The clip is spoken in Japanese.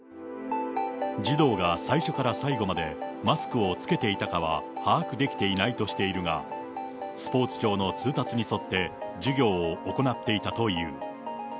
児童が最初から最後まで、マスクをつけていたかは把握できていないとしているが、スポーツ庁の通達に沿って授業を行っていたという。